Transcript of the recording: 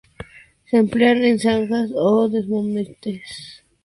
Se emplean en zanjas o desmontes provisionales.